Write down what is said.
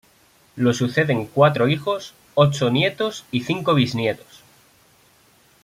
Lo suceden cuatro hijos, ocho nietos y cinco bisnietos.